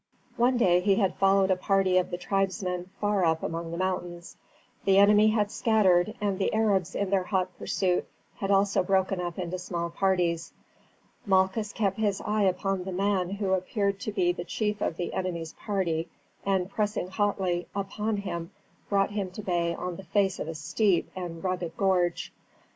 One day he had followed a party of the tribesmen far up among the mountains. The enemy had scattered, and the Arabs in their hot pursuit had also broken up into small parties. Malchus kept his eye upon the man who appeared to be the chief of the enemy's party, and pressing hotly upon him brought him to bay on the face of a steep and rugged gorge.